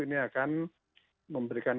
ini akan memberikan